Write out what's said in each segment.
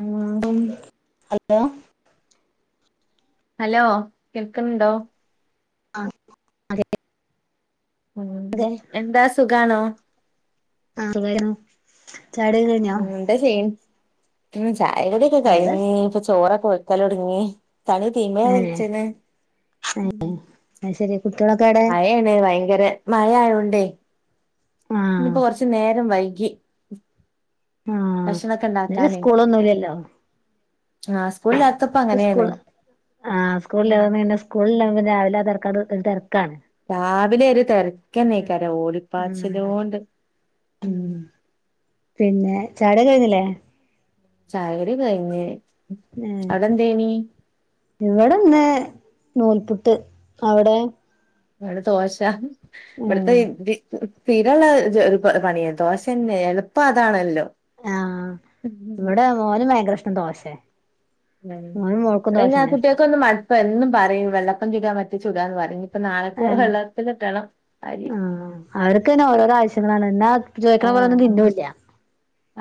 ഉം hello hello, കേൾക്കണുണ്ടോ? ആഹ് അതെ മ് എന്താ സുഖണോ ആ [unintelligible] കഴിഞ്ഞോ മം എന്താ ചെയ്യി ഉ ചായകുടിയൊക്കെ അതെ കഴിഞ്ഞി ഇപ്പൊ ചോറൊക്കെ വെക്കൽ തുടങ്ങി തണി തീമ ഏഹ് ഏഹ് വെച്ച്ണ് അത് ശരി കുട്ടികളൊക്കെ എവിടെ മഴയാണ് ഭയങ്കര മഴ അയോണ്ട് ണ്ട് ആഹ് ഇനിപ്പോ കോറച്ച് നേരം വൈകി ആഹ് ഭക്ഷണക്കെ ഇന്ന് ഇണ്ടാക്കാന് സ്കൂളൊന്നുംല്ലല്ലോ ആഹ് സ്കൂളില്ലാത്തപ്പോ ക്ക് അങ്ങനെയാണ് സ്കൂള് ആഹ് സ്കൂൾ ഉം ഇല്ലന്ന് സ്കൂളിൽ രാവിലെ ആ തെരക്കാണ്ട് [unintelligible] രാവിലെ ഒരു തെരക്കന്നെയ്ക്കാരം ആഹ് ഓടിപ്പാച്ചിലോണ്ട് ഉം പിന്നെ ചായുടി ഒക്കെ കഴിഞ്ഞിലെ ചായുടി കയിഞ്ഞ് ഉം അവിടെ എന്തേയ്നി ഇവിടെന്ന് നൂൽപുട്ട് അവിടെ ഇവടെ ദോശ ഉം ഇവിടുത്തെ സ്ഥിര ഉള്ള ഒരു പണിയ ദോശന്നെ അതാണല്ലോ ആ ഉം ഇവിട മോന് ഭയങ്കരഷ്ടം ദോഷേ ഉം ഇവിടെ ഞ ആ കുട്ടികൊക്കെ മടുപ്പ എന്നും പറയും വെള്ളപ്പം ചുടാ മറ്റേ ചുടാന്ന് പറിം ഏഹ് അരി ആഹ് അവർക്കെന്നെ ഓരോരോ ആവശ്യങ്ങളാണ് ന്നാ ചോയിക്കണ പോലെ ആഹ് തിന്നു ഇല്ല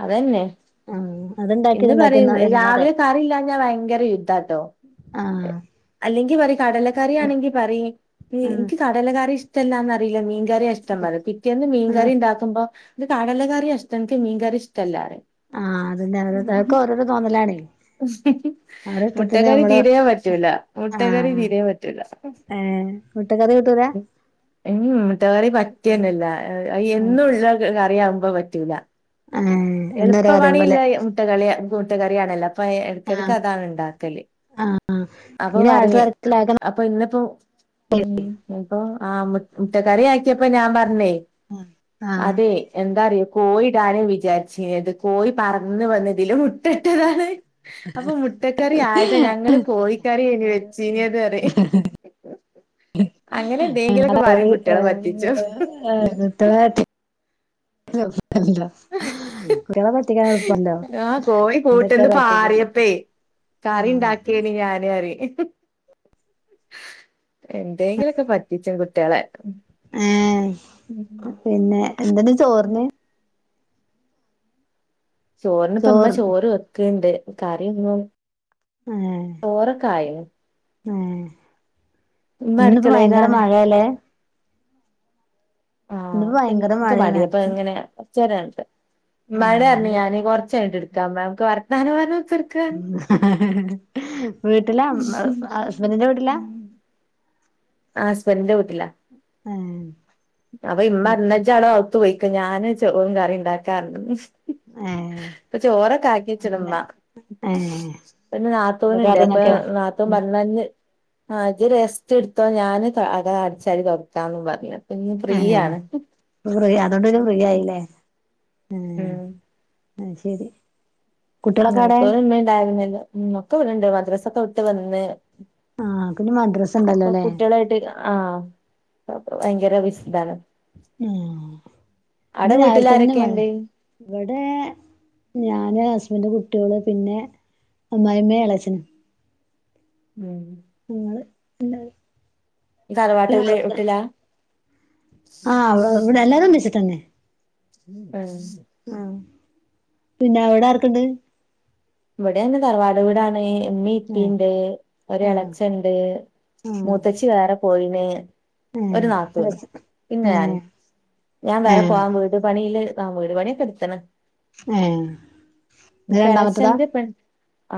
അതന്നെ ആഹ് അത്ണ്ടാക്കി എന്ന് ഇത്ണ്ടാക്കി പറയും തിന്നാന്നല്ലാതെ രാവിലെ കറി ഇല്ലഞ്ഞാ ഭയങ്കര യുദ്ധാട്ടോ ആഹ് അല്ലെങ്കി പറി കടലക്കറി ആണങ്കി പറയിം ആഹ് നിക്ക് കടലക്കറി ഇഷ് ടല്ലാന്നറീലേ മീൻകറ്യാ ഇഷ്ടം പറിം പിറ്റേന്ന് ആഹ് മീൻകറി ഇണ്ടാക്കുമ്പോ ഇത് കടല കറ്യ ഇഷ്ട്ടം ഇൻക് മീൻകറിഷ്ടല്ലാറിം. ആഹ് അതന്നെ [unintelligible] ഒക്കെ ഓരോരോ തോന്നലാണേ അവരെ ഇഷ്ടത്തിന് മുട്ടക്കറി നമ്മള് തീരെ പറ്റൂല. മുട്ടക്കറി ആഹ് തീരെ പറ്റൂല ഏഹ് മുട്ടക്കറി കൂട്ടൂലാ? ഉം മുട്ടകറി പറ്റന്നല്ല അത് എന്നുള്ള കറിയാവുമ്പോ പറ്റൂല. ഏഹ് എന്നൊരു എള്പ്പ കറി പോലെ പണിള്ളെ മുട്ടകളി മുട്ടകറിയാണല്ലോ ഇപ്പ ഏ എടക്കെടക്ക് ആഹ് അതാണ് ഇണ്ടാക്കല്. ആഹ് അപ്പൊ ഈ രാവിലത്തെ പറിം തിരക്കിലാക്കണം അപ്പൊ ഇന്ന്പ്പോ ഉം ഇന്ന്പ്പൊ ആ മു മുട്ട കറി ആക്കിയപ്പോ ഞാൻ പറഞ്ഞേ ആഹ് അതെ എന്താറിയോ കോയിടാനേ വിചാര് ച്ചീന്നത് കോയി പറന്ന് വന്ന് ഇതില് മുട്ടട്ടതാണ്. അപ്പൊ മുട്ടക്കറി ആയതാ ഞങ്ങള് കോയിക്കറിയേനു വെച്ചീന് നൊറിം. [unintelligible] എല്ല കുട്ടികളെ പറ്റിച്ചും. കുട്ടോളെ പറ്റിക്കാൻ എള്പ്പല്ലോ ആഹ് കോഴി അതൊക്കെ കൂട്ട്ന്ന് പറ്റിക്കല്. പാറിയപ്പേ കറി ആഹ് ഇണ്ടാക്കേയ്ന് ഞാന് അറിം. എന്തേങ്കിലൊക്കെ പറ്റിച്ചും കുട്ട്യോളെ ഏഹ് പിന്നെ എന്തെന്ന് ചോറിന്? ചോറിന് ഇപ്പ ഇമ്മ ചോറ് വെക്ക്ണ്ട് കറിയൊന്നും ഏഹ് ചോറൊക്കായ്ന് ഏഹ് ഇന്ന്പ്പൊ ഭയങ്കര അടുക്കളയിലാണ്. മഴേല്ലേ? ആഹ് ഇപ്പൊ ഭയങ്കര നിക്ക് മഴയാണ് മടിയാ അപ്പൊങ്ങനെ ച്ചോരാണ്ട് ആഹ് ഇമ്മാനോടർഞ്ഞു അതെ ഞാന് കൊറച്ചയ്ഞ്ഞ്ട്ട് ഇട്ക്കാ ഇമ്മാ നമുക്ക് വർത്താനം പറഞ്ഞ് കുത്തിർക്കാന്ന്. വീട്ടിലാ ഹസ്ബൻറിന്റെ വീട്ടിലാ ആ ഹസ്ബൻഡിന്റെ വീട്ടിലാ ഏഹ് അവ ഇമ്മ അന്നച്ചാളോ അത്ത് പോയി െ ഞാന് ചോറും കറി ഉണ്ടാക്കാറ ആഹ പപ്പ ചോറൊക്കെ കാക്കിചണമാ ഏഹ് പിന്നെ ഇപ്പൊ നാത്തൂനുണ്ട് അപ്പൊ കറിന്നൊക്കെ നാത്തോൻ പറഞ്ഞഞ് ആ അത് റെസ്റ്റ് എടുത്തോ ഞാന് അക അടിച്ചാരി തുടക്കാന്ന് പറഞ്ഞത് ഇന്ന് ഫ്രീ ഏഹ് യാണ് ഫ്രീ അതുകൊണ്ട് പിന്നെ ഫ്രീ ആയില്ലേ ഉം ആഹ ശരി കുട്ടികളൊക്കെ എവിടെ ഉമ്മണ്ടായിരുന്നില്ല ഉ ഒക്കെ ഇണ്ട് മദ്രസൊക്കെ വിട്ട് വന്ന് ആഹ് പിന്നെ മദ്രസ ഉണ്ടല്ലോ ഇപ്പൊ അല്ലേ കുട്ടികളായിട്ട് ആഹ ഭയങ്കര വിശദാണ് ആഹ ഇന്ന് രവിലെത്തന്നെ മഴ വീട്ടിലാരൊക്കെണ്ട് ഇവിടെ ഞാന് അച്ന്റെ കുട്ടികള് പിന്നെ അമ്മയുമ്മ എളച്ചനും ഉം ങ്ങള് ണ്ട തറവാട്ട് വീട്ടില ആഹ് അവ ഇവിടെ എല്ലാരും ബിച്ചട്ടന്നെ ഉ ആഹ പിന്നെ എവിട ആർക്കുണ്ട് ഇവിടെയന്ന തറവാട് വീടാണ് ഇമ്മി ഇപ്പിണ്ട് ഒരു ആഹ് എളച്ചണ്ട് ആഹ് മൂത്തച്ചി വേറെ പോയിന് ഏഹ് ഒരു നാത്തൂന് എളച്ചൻ പിന്നെ ഞാൻ ഏഹ് ഞാൻ വേറെ ഏഹ് പോകാൻ വീട്ട് പണില് ആ വീട് പണിയൊക്കെ എടുത്തെ എ രണ്ടാമത് ഇളച്ചന്റെ പെൺ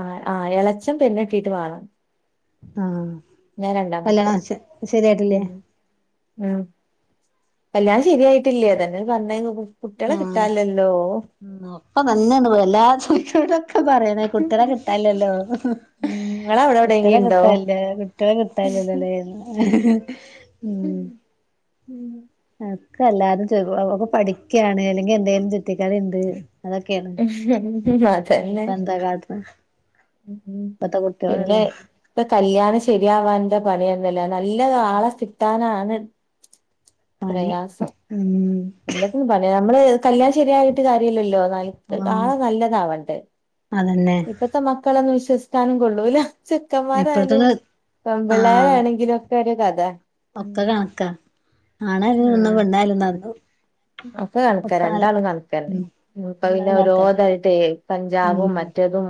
ആ ആ ഇളച്ചൻ പെണ്ണ് കെട്ടീട്ട് മാണം ആഹ കല്യാണം ശരിയായിട്ടില്ലേ ഉം ഉം കല്യാണം ശരിയായിട്ടില അതന്നെ പറഞ്ഞ നോക്ക ആ ന്നോപ്പ തന്നെയാണ് പോ എല്ലാ ചോദിച്ച ക്കെ പറയ്േന്ന കുട്ടളേ കിട്ടാലല്ലോ നിങ്ങളവിടെ കുട്ടികളെ എവിടെയെങ്കിലും ഇണ്ടോ കിട്ടാല്ല കുട്ടികളെ കിട്ടാല്ലല്ലോല്ലേ ഉം ഉം ക്കെ എല്ലാരും ചെക അപ്പപടിക്കാണ് അല്ലെങ്കി എന്തെലും ചുറ്റകളിണ്ട് അതൊ കേണ് ഇഞ്ഞിപ്പ ന്താ കാട്ടണ് ഉ ഇപ്പത്തെ പിന്നെ കുട്ടികളല്ലേ ഇപ്പൊ കല്യാണം ശരിയാവാൻന്ത പണിന്നല്ലാ നല്ല രാളെ കിട്ടാനാണ് പണി പ്രയാസം ഉം എല്ലത്തിന്നും പറ നമ്മള് കല്യാണം ശരിയായിട്ട് കാര്യല്ലല്ലോ ആഹ് ആളെ നല്ലതാവണ്ടേ അതന്നെ ഇപ്പത്തെ മക്കളൊന്നും വിശ്വസിക്കാനും കൊള്ളൂല്ല ചെക്കന്മാരായാലും ഇപ്പഴത്തന്നെ പെമ്പിള്ളേരാണെങ്കിലും ഒക്കെ ഒരു കതെ ഒക്ക കണക്ക ആണായാലും നന്നും പെണ്ണായാലും നടന്നു. ഒക്ക കണക്ക രണ്ടാളും കണക്കെന്നെ ഉം ഇപ്പ എല്ലാം പിന്നെ കണക്കന്നെ ഓരോതായിട്ടെ ഉം കഞ്ചാവും മറ്റ മ റ്റതും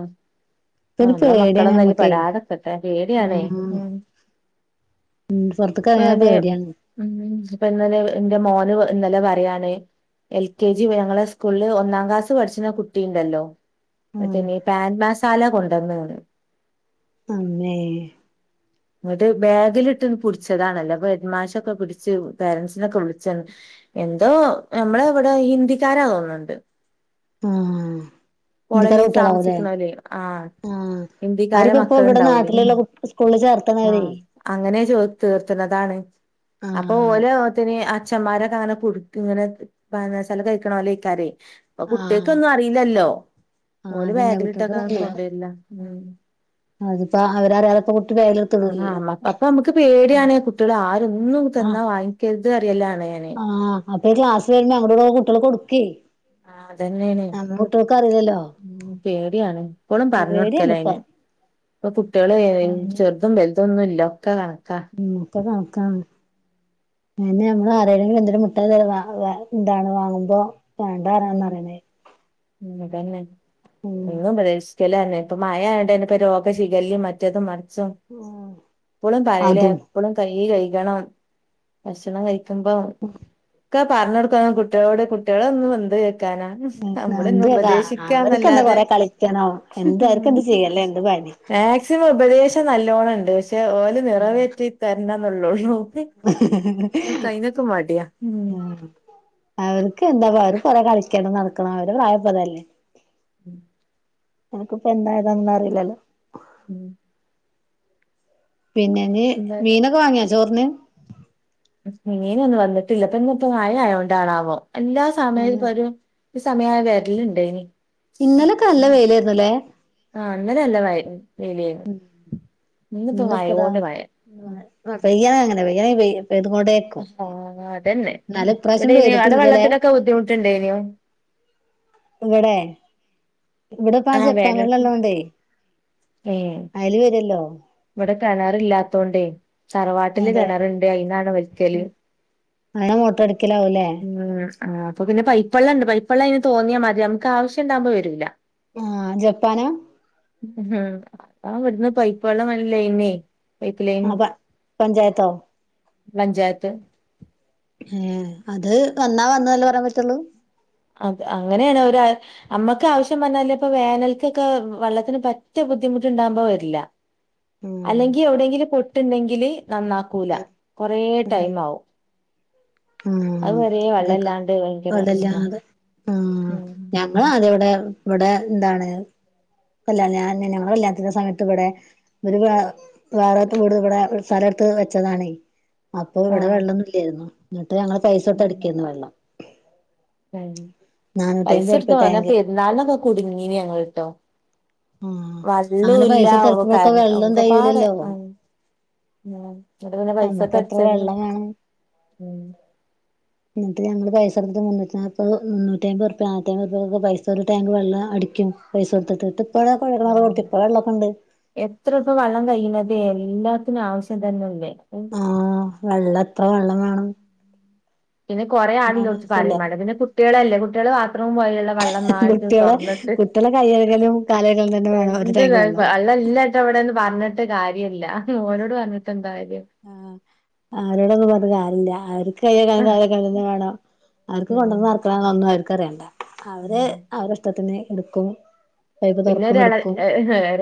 ഇപ്പൊരു അനമ്മളെ പേടിയാണ് മക്കളൊന്നും അതില് നമ്മക്കേ പെടാതിരിക്കട്ടെ പേടിയണേ ആഹ് ഉ ഉം പൊറത്ത്ക്ക് എറങ്ങാൻ ഇപ്പന് പേടിയാണ് ഉ ഇപ്പ ഇന്നലെ എന്റെ മോന് ഇന്നലെ പറയാണ് എൽ കെ ജി ഞങ്ങളെ സ്കൂളിൽ ഒന്നാം ക്ലാസ് പഠിച്ണകുട്ടിുണ്ടല്ലോ ആഹ് നോക്കണ്യപാൻ മസാല കൊണ്ട നീണ് ആമ്മേ എന്നിട്ട് ബാഗിലിട്ട്ന്ന് നട്ട് നട്ട് ബേഗിലിട്ട്ണ്ട്പുടിച്ചതാണല്ലോ അപ്പ എഡ്മാശൊക്കെ പിടിച്ച് പോരൻസിനൊക്കെ വിളിച്ച എന തോ നമ്മളെ ഇവടെ ഹിന്ദിക്കാരാ തോന്ന്ണ് ണ്ട്. ആഹ് ഹിന്ദിക്കാരെ കോളനീൽ കുട്ടികളാവുംല്ലേ താമസിക്ണാലെ ആഹ് ആഹ് ഇന്തിക്കാരെ അവരിപ്പോ ഇപ്പോ ഇവിടെ മക്കളുണ്ടാവൂലേ നാട്ടിലുള്ള സ്കൂളിൽ ചേർത്തണവരെ ആഹ് അങ്ങനെ ചോ തീർത്ത്ന്നതാണ് അപ്പൊ ആഹ് ഓലഹ്ത്തിന് അച്ചന്മാരൊക്കെ അങ്ങനെ കുട്ക്ക് ഇങ്ങനെ പാൻമസാല കഴിക്ക്ണോ ലൈക്കാരെ അപ്പൊ കുട്ട്യേക്ക്ന്നു അറീല്ലല്ലോ ആ അതന്നെ കുട്ട്യേ [unintelligible] [unintelligible] [unintelligible] [unintelligible] [unintelligible] [unintelligible] [unintelligible] [unintelligible] [inaudible] ൾക്കൊന്നും അറീലല്ലൊ ആഹ് പ്പാ അവരറിയാതെപ്പ ആ അമ്മക്ക്അപ്പൊ നമ്മക്ക് പേട്യാണ് കുട്ട്യേൾ ആരും ഒന്നും ആഹ് തന്നാ വാങ്ങിക്കരുത് അറിയലാണ് ഞാന് ആഹ് അപ്പ ഇ രാസ്യെണ് അവ്ടെ [unintelligible] കുട്ട്യേൾകൊടുക്കേ ആ അതെന്നേണ് അറിയില്ലല്ലോ പേട്യാണ് ഇപ്പളും പറഞ്ഞൊ ടുക്കല പേടിയാണ് ഇപ്പൊ അയിന് ഇപ്പൊ കുട്ട്യേ ഏയ്ന് ചെറ്തും വെല്തൊന്നുല്ല ഉം ഒക്കെ കൺക്കാണ് പിന്നെ ഞമ്മള് ആരേടേങ്കിലു എന്തേലു മുട്ടായി തെരു [unintelligible] എന്താണ് വാങ്ങുമ്പോ വേണ്ടന്നാറു ന്നറ്യണേ താന്നെ എന്നും പ്രതീക്ഷിക്കലാണെ ഇപ്പ മഴയാതൊണ്ടെന്നെ ഇപ്പം രോഗ ശിഗല്ലെം മറ്റെതും മറ് ശും എപ്പോളും പയലേ അതും എപ്പളും കയ്യ് കഴികണം ഭക്ഷണം കഴി ക്ക്മ്പം ഒക്കെ പറ്ഞ്ഞൊട്ക്കണം കുട്ട്യേളോട് കുട്ടികളൊന്ന് വന്ത് കേക്ക് ക്കാനാ നമ്മള് ഇങ്ങെ എന്ത് അവർക്കെന്താ ഉപദേശിക്കാന്നല്ലാതെ കൊറെ കളിക്കണോ എന്ത് അവർക്കെന്ത് ചെയ്യല്ലേ എന്ത് പണി മേക്സിമം ഉപദേശം നല്ലോണം ഇണ്ട് പക്ഷെ ഓല്നിറവേറ്റി തരണംന്നു ള്ളൊ ള്ളൂ ഉം അവർക്ക് എന്താ വാറ് കൊറേ കളിക്കണം നടക്കണം അവരെ പ്രായപ്പതല്ലേ ഞങ്ങക്ക് ഇപ്പം എന്താ ഏതാന്നൊന്നു അറിലല്ലോ ഉം പിന്നേ ങ്ങ് പിന്നെ മീനൊക്കെ വാങ്ങ്യൊ ചോറ്ന് മിനൊന്നും വന്നിട്ടില്ലപ്പം ഇന്ന്പ്പം മഴ ആയോണ്ടാണാവം എല്ലാ സമയും പരു ഈ സമയായ വേരലുണ്ടായിനി ഇന്നലൊക്കെ നല്ല വെയിലായിരുന്നുല്ലേ ആഹ് ഇന്നലല്ല [unintelligible] വെയിനു ഇന്നപ്പം മയോണ്ട് മഴയാ പെയ്യണേ അങ്ങന പെയ്യണേ പെയ്യും പെത്കൂടെക്കും ആഹ് അതന്നെ എന്നാലും ഇപ്രാശ്യം ഇവിടെ ഇനി പെയ്തി അവിടെ [unintelligible] വെള്ളത്തിനൊക്കെ ബുദ്ധിമുട്ടുണ്ടേനോ നിങ്ങടെ ഇവിടിപ്പാ ആ ആഹ് വേനൽക്ക് ജപ്പാവെള്ളോള്ളോണ്ടേ അയില് വരുല്ലോ ഇവടെ കെണറില്ലാത്തോണ്ടേ തറവാട്ടില് അതെ കെണറുണ്ട് അയിന്നാണ് വലിക്കല് അങ്ങനെ മോട്ടർ അടിക്കലാവൂല്ലേ ഉം ആഹ് അപ്പോ പിന്നെ പൈപ്പേള്ളണ്ട് പൈപ്പ പ്പേള്ള അതിന് തോന്ന്യ മാതിര്യ മ്മക്ക് ആവശ്യംണ്ടാവുമ്പോ വരൂല്ല ആഹ് ജപ്പനാ ഉം അതാ ഇവട്ന്ന് [unintelligible] ആഹ് പ പഞ്ചായത്തോ പഞ്ചായത്ത് ഏഹ് അത് വന്നാ വന്നുല്ലേ പറയാൻ പറ്റുള്ളൂ അത് അങ്ങനെയാണ് ഒര് അമ്മക്ക് ആവശ്യം വന്നല്ല് ഇപ്പോ വേനൽക്കൊക്കെ വെള്ളത്തിന് പറ്റും ബുദ്ധിമുട്ട് ണ്ടാകുമ്പോ വരില്ല ഉം അല്ലെങ്കി എവിടെയെങ്കിലും പൊട്ടുണ്ടെങ്കില് നന്നാക്കൂലാ കൊറേ ടൈം ആവും ഉം അതുവരെ അതക്ക വെള്ളല്ലാണ്ട് ഭയങ്കര പ്രശ്നാ വള്ളല്ലാതെ ഉം ഞങ്ങളത് വിടെ ഇവിടെ എന്താണ് അല്ല ഞാൻ ഞങ്ങളില്ലാത്ത സമയത്ത് ഇവിടെ ഒരു വേറെത്തെ വീട് വടെ സ്ഥല ത്ത് വെച്ചതാണെ അപ്പോ ഇവിടെ ആഹ് വെള്ളൊന്നും ഇല്ലേരുന്നു എന്നിട്ട് ഞങ്ങള് ഉം പൈസൊട്ത്തടിക്കാരുന്നു വെള്ളം ഉം നാനൂറ്റി പൈസ അമ്പത് എടുത്ത് ഉറുപ്യ [unintelligible] ടാങ്ക് പെരുന്നാളിനൊക്കെ കുടുങ്ങീനി ഞങ്ങള്ട്ടോ ആഹ് അങ്ങനെ വള്ളുംല്ല പൈസ തെരക്കുമ്പോഴൊക്കെ [unintelligible] വെള്ളം ഒക്കപാടെ തെകയൂലല്ലോ ആം ഉം ന്ന്ട്ട് പിന്നെ നമ്മക്ക് പൈസക്ക് എത്ര വെള്ളം [unintelligible] വേണം ഉം [unintelligible] ഞങ്ങള് പൈസ എടു മുന്നൂറ്റ് നാപ്പത് മുന്നൂറ്റയ്മ്പർപ്യ നാനൂറ്റി അയ്മ്പ പൈസ ഒരു ടാങ്ക് വെള്ളഅടിക്കും. പൈസ കൊടുത്തിട്ട് ത്ത് പ്പഴ കൊഴ ക്കിണറ് ഉം കുത്തി ഇപ്പഴള്ള [unintelligible] തെ എല്ലാത്തിനും ആവശ്യം തന്നെല്ലേ അഹ് ആഹ് വെള്ളം എത്ര വെള്ളം വേണം പിന്നെ കുറെ ആള് ലോട്ത്ത് ആവശ്യല്ല പറിംമാണ്ട പിന്നെ കുട്ട്യേളല്ലേ കുട്ട്യേള് ബാത്റൂം പോയാലുള്ള വെള്ളം ന്നായട്ട് കുട്ടികളെ തൊറന്നിട്ട് കുട്ടികളെ കൈ കഴുകലും കാല് കഴുകലും തന്നെ വേണം ഒരു ടാങ്ക് എന്ത്ന്നേ വ വെള്ളം അള്ളല്ലട്ടെ വിടെന്ന് പറഞ്ഞി ട്ട് കാര്യല്ല ഓരോട് പറഞ്ഞിട്ട ന്താ കാ ആഹ് ആരോടൊങ്ങനെ പറഞ്ഞിട്ട് കാര്യല്ല്യ ആര്ക് റ്റ് കയ്യെകാനും കാലെകാനും ന്ന് വേണം. അവർക്ക് ഉം കൊണ്ടെന്ന് നർക്കണംന്നും അവർക്ക് അറിയണ്ട. അവര് ഉം. അവരെ ഇഷ്ടത്തിന് എടുക്കും പൈപ്പ് തുറക്കും പിന്നെരെളെ എടുക്കും എ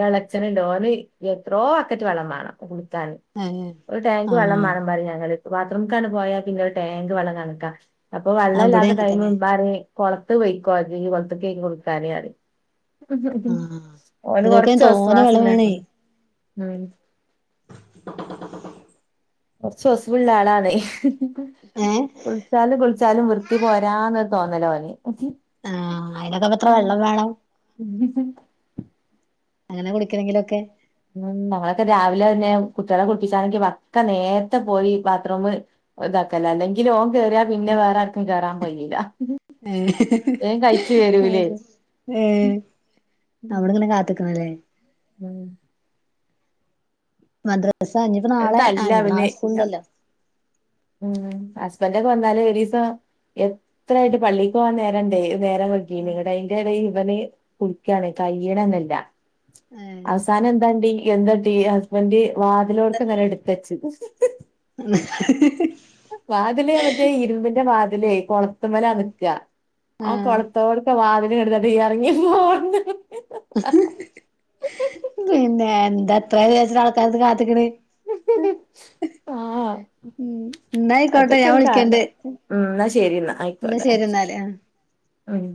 ഇളച്ചനുണ്ട് ഓന് എത്രോ ബക്കറ്റ് വെള്ളം മാണം കാന് ഏ ഒരു ടാങ്ക് വള്ളം ആഹ് മാണം പറിം ഞങ്ങള് ബാത്റും കാണ്ട് പോയാ പിന്നെ ഒരു ട്ടേങ്ക് വള്ളം കണക്കാ അപ്പൊ അത് വെള്ളം ഇവിടേം ഇല്ലാത്ത അങ്ങനെ ടൈം തന്നെ മ്പ റി കൊളത്ത് പോയിക്കോ ജ് കൊളത്ത് കൊയ്ക്കോ കുളിച്ചാന് റിം. ആഹ് ഓന് ഇതിനൊക്കെ കൊർച്ച് ഒസ് തോനെ വാസ് വെള്ളം വേണേ ല്ലാക്കണം. ഉം കൊർച്ച് ഒസ് വുള്ള ആളാണേ. ഏ കുളിച്ചാലും കുളിച്ചാലും വൃത്തി പോരാന്ന തോന്നലാ ഓന് ഉം. ആഹ് അയിനൊക്കെ പ്പത്ര വെള്ളം വേണം ഉം അങ്ങനെ കുളിക്കണെങ്കിലൊക്കെ ഉം നമ്മളൊക്കെ രാവിലെ തന്നെ കുട്ട്യേളെ കുളിപ്പിച്ചാണെങ്കി വക്ക നേരത്തെ പോയി ബാത്റൂമ് ഇതാക്കലാ അല്ലെങ്കിൽ ഓൻ കേറിയാ പിന്നെ വേറെ ആർക്കും കേറാൻ പയില്ല ഏഹ് വരൂലേ അത് ഏഹ് അവടെങ്ങനെ കാത്തിക്കണല്ലേ ഉം മദ്രസ ഇനിയിപ്പോ നാളെ തല്ല ആണ് അവന് നാളെ സ്കൂൾ ഉണ്ടല്ലോ. ഉം ഹുസ്ബൻഡ് ഒക്കെ വന്നാലും ഒരുദിവസം എത്രായിട്ട് പള്ളിക്ക് പോവാൻ നേരം ഉണ്ടേല്. നേരം വൈകിന് അയിന്റെ ഇടല് ഇവന് കുളിക്കാണ് കയ്യ്ണന്നല്ല. ഏ അവസാനം എന്താണ്ടി എന്താട്ടീ ഹുസ്ബൻഡ്. വാതിലോട് ഇങ്ങനെ എടുത്തച്ചന്. വാതില് മറ്റേ ഇരുമ്പിന്റെ വാതിലെ കൊ പൂട്ടും മേൽ അമുക്കുക ആഹ് കുളത്തോടൊക്കെ വാതില് കിടന്നോട്ടെ ഇറങ്ങി പോണത്. പിന്നെ എന്താ അത്ര വിചാരിച്ചിട്ട് ആൾക്കാര് അത് കാത്ത് നിക്കണ്. ആഹ് ഉം ന്നായിക്കോട്ടെ അതൊക്കെ ഞാൻ വിളിക്കണ്ട് ഒരുകാലം. ഉം എന്നാ ശരി എന്നാ ആയിക്കോട്ടെ ശരി എന്നാല് ആ ഉം.